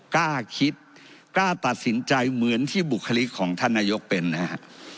กล้าคิดกล้าตัดสินใจเหมือนที่บุคลิกของท่านนายกเป็นนะฮะ